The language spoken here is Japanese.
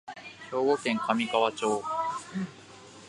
兵庫県神河町